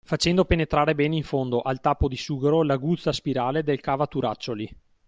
Facendo penetrare bene in fondo al tappo di sughero l'aguzza spirale del cavaturaccioli.